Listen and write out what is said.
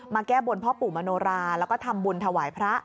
แก้บนพ่อปู่มโนราแล้วก็ทำบุญถวายพระ